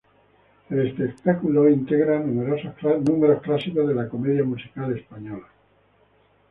El espectáculo integra números clásicos de la comedia musical española.